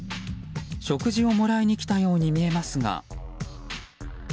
食事をもらいに来たように見えますが。